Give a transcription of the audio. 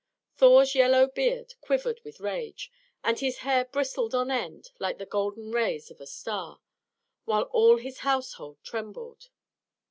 Thor's yellow beard quivered with rage, and his hair bristled on end like the golden rays of a star, while all his household trembled.